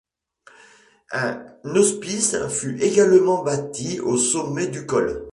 Un hospice fut également bâti au sommet du col.